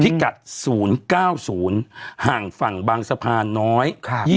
ที่กัด๐๙๐ห่างฝั่งบางสะพานน้อย